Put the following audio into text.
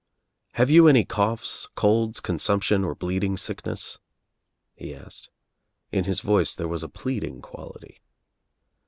"Have you any coughs, colds, consumption or bleed ing sickness?" he asked. In his voice there was a pleading quality.